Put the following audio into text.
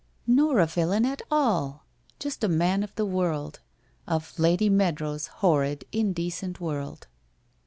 * Nor a villain at all. Just a man of the world — of Lady Mead row's horrid, indecent world.'